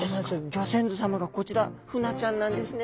ギョ先祖様がこちらフナちゃんなんですね。